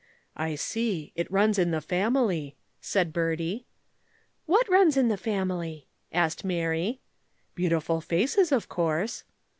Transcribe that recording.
"I see it runs in the family," said Bertie. "What runs in the family?" asked Mary. "Beautiful faces, of course."